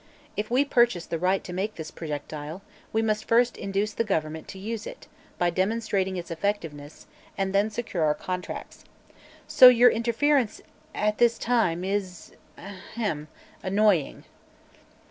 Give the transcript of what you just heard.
If we purchase the right to make this projectile, we must first induce the government to use it, by demonstrating its effectiveness, and then secure our contracts. So your interference, at this time, is ahem! annoying."